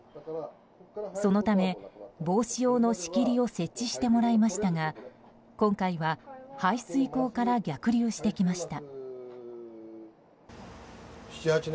そのため、防止用の仕切りを設置してもらいましたが今回は排水溝から逆流してきました。